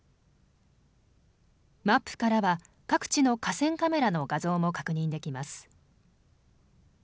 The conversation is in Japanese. マップからは各地の河川カメラの画像も確認できます。